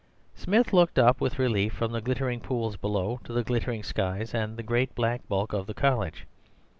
"Smith looked up with relief from the glittering pools below to the glittering skies and the great black bulk of the college.